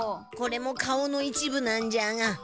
これも顔の一部なんじゃが。